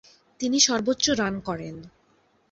তিনি সর্বোচ্চ রান করেন।